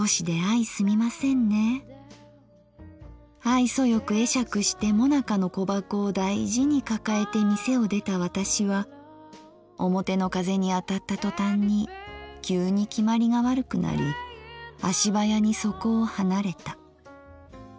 愛想よく会釈してもなかの小箱を大事に抱えて店を出た私は表の風に当たったトタンに急にきまりが悪くなり足早にそこを離れた。